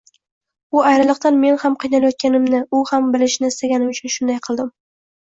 Bu ayriliqdan men ham qiynalayotganimni u ham bilishini istaganim uchun shunday qildim.